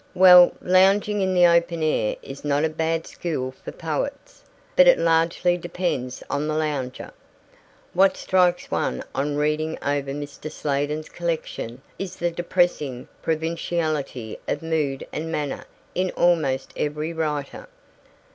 Well, lounging in the open air is not a bad school for poets, but it largely depends on the lounger. What strikes one on reading over Mr. Sladen's collection is the depressing provinciality of mood and manner in almost every writer.